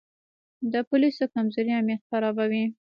د پولیسو کمزوري امنیت خرابوي.